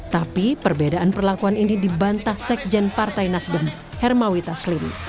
tapi perbedaan perlakuan ini dibantah sekjen partai nasdem hermawi taslim